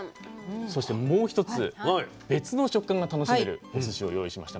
そしてもう１つ別の食感が楽しめるおすしを用意しました。